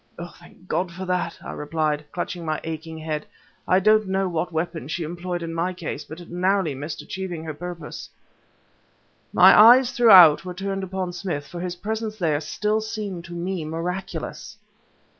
"Thank God for that," I replied, clutched my aching head. "I don't know what weapon she employed in my case, but it narrowly missed achieving her purpose." My eyes, throughout, were turned upon Smith, for his presence there, still seemed to me miraculous.